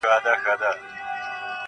سم اتڼ یې اچولی موږکانو,